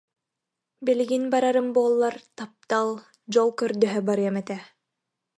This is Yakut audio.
Билигин барарым буоллар таптал, дьол көрдөһө барыам этэ